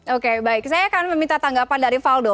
oke baik saya akan meminta tanggapan dari valdo